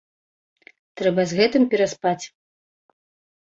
Трэба з гэтым пераспаць.